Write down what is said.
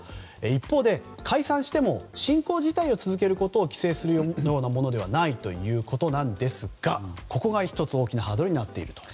一方で解散しても信仰自体を続けることを規制するようなものではないということなんですがここが１つ大きなハードルになっていると。